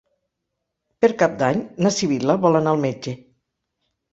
Per Cap d'Any na Sibil·la vol anar al metge.